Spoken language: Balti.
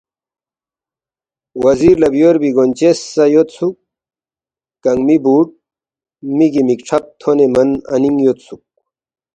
وزیر لہ بیوربی گونچس سہ یودسُوک، کنگمی بُوٹ، مِگی مِک کھرب تھونے من اَنینگ یودسُوک